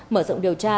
mở rộng điều tra